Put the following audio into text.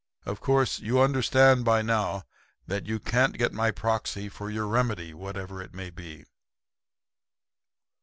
Of course you understand by now that you can't get my proxy for your Remedy, whatever it may be.'